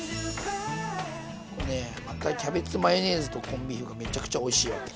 こうねまたキャベツマヨネーズとコンビーフがめちゃくちゃおいしいわけ。